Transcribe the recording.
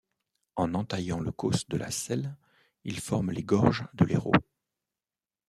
En entaillant le Causse de la Selle, il forme les gorges de l'Hérault.